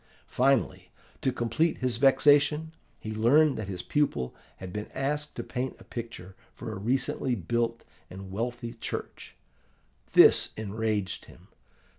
Finally, to complete his vexation, he learned that his pupil had been asked to paint a picture for a recently built and wealthy church. This enraged him.